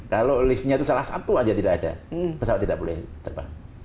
kalau listnya itu salah satu aja tidak ada pesawat tidak boleh terbang